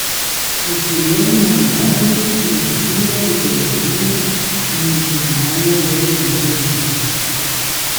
Estudió Humanidades, Filosofía y Teología en el Seminario de Morelia.